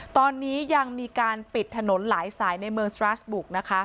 ตอนนี้ยังมีการปิดถนนหลายสายในเมืองสตราสบุกนะคะ